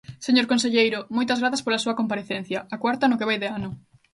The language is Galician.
Señor conselleiro, moitas grazas pola súa comparecencia, a cuarta no que vai de ano.